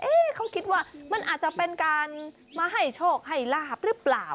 เขาคิดว่ามันอาจจะเป็นการมาให้โชคให้ลาบหรือเปล่า